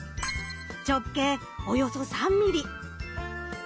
直径およそ３ｍｍ。